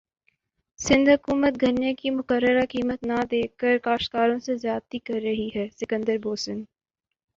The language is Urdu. سندھ حکومت گنے کی مقررہ قیمت نہ دیکر کاشتکاروں سے زیادتی کر رہی ہے سکندر بوسن